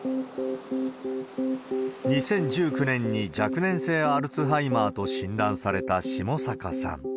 ２０１９年に若年性アルツハイマーと診断された下坂さん。